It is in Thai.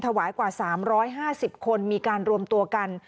ถวายกว่าสามร้อยห้าสิบคนมีการรวมตัวกัน